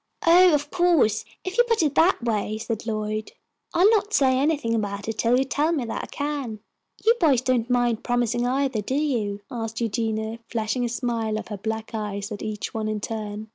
"Oh, of course, if you put it that way," said Lloyd, "I'll not say anything about it till you tell me that I can." "You boys don't mind promising, either, do you?" asked Eugenia, flashing a smile of her black eyes at each one in turn.